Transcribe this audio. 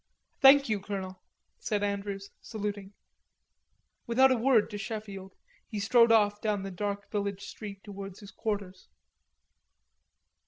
"Thank you, Colonel," said Andrews, saluting. Without a word to Sheffield, he strode off down the dark village street towards his quarters.